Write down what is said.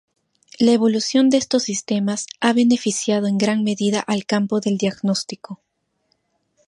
La evolución de estos sistemas ha beneficiado en gran medida al campo del diagnóstico.